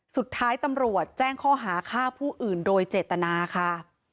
สุดท้ายตำรวจแจ้งข้อหาฆ่าผู้อื่นโดยเจตนาค่ะ